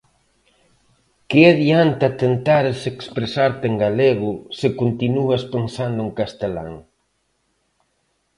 Que adianta tentares expresarte en galego se continuas pensando en castelán?